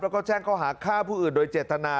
แล้วก็แจ้งเขาหาฆ่าผู้อื่นโดยเจตนา